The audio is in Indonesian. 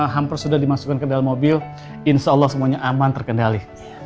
hampir sudah dimasukkan ke dalam mobil insya allah semuanya aman terkendali